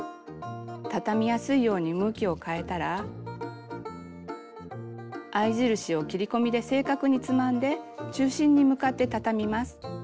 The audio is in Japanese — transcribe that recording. たたみやすいように向きを変えたら合い印を切り込みで正確につまんで中心に向かってたたみます。